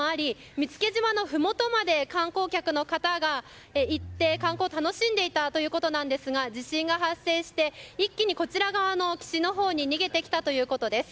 見附島のふもとまで観光客の方が行って観光を楽しんでいたということなんですが地震が発生して一気にこちら側の岸のほうに逃げてきたということです。